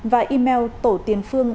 và email tổ tiền phương